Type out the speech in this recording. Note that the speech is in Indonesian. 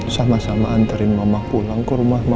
sampai jumpa di video selanjutnya